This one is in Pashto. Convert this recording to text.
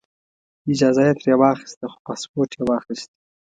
اجازه یې ترې واخیسته خو پاسپورټ یې واخیست.